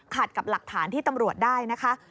กับหลักฐานที่ตำรวจได้นะคะ